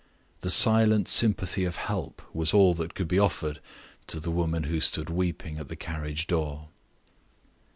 The silent sympathy of help was all that could be offered to the woman who stood weeping at the carriage door.